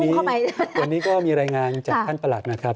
วันนี้ก็มีรายงานจากท่านประหลัดนะครับ